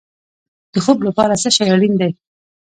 د خوب لپاره څه شی اړین دی؟